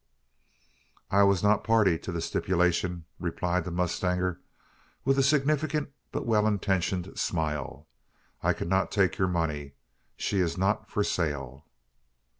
"I was not a party to the stipulation," replied the mustanger, with a significant but well intentioned smile. "I cannot take your money. She is not for sale."